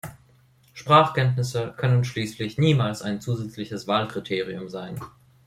Sprachkenntnisse können schließlich niemals ein zusätzliches Wahlkriterium sein.